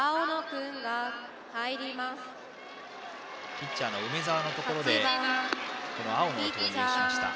ピッチャーの梅澤のところで青野を投入しました。